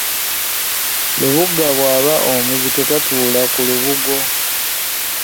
Lubuga bwaba omuzito tatuula ku lubugo.